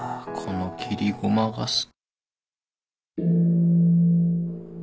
この切りごまが。